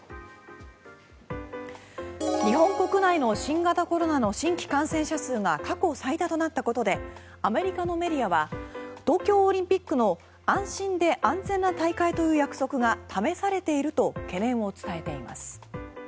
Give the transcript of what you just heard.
日本国内の新型コロナの新規感染者数が過去最多となったことでアメリカのメディアは東京オリンピックの安心で安全な大会という約束が試されていると懸念を伝えています。